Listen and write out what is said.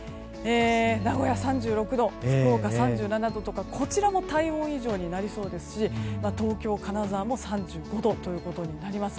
名古屋３６度、福岡３７度とかこちらも体温以上になりそうですし東京、金沢も３５度ということになります。